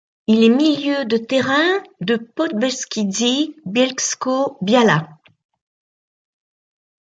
Il est milieu de terrain au Podbeskidzie Bielsko-Biała.